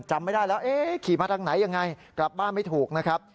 จำไม่ได้แล้วเอ๊ะขี่มาทางไหนยังไงกลับบ้านไม่ถูกนะครับ